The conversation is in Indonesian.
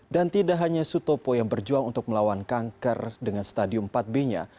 dan tidak hanya sutopo yang berjuang untuk melawan kanker dengan stadium empat b nya